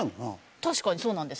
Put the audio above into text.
確かにそうなんです。